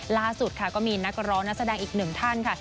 ล่าสุดค่ะก็มีนักร้องนักแสดงอีกหนึ่งท่านค่ะ